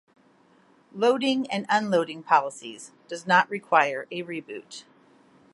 Loading and unloading policies does not require a reboot.